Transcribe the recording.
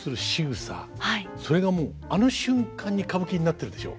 それがもうあの瞬間に歌舞伎になってるでしょ？